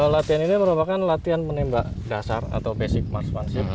latihan ini merupakan latihan menembak dasar atau basic marksmanship